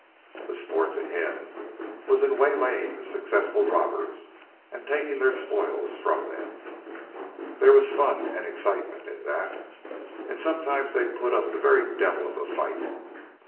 The sport to him, was in waylaying the successful robbers and taking their spoils from them. There was fun and excitement in that, and sometimes they put up the very devil of a fight.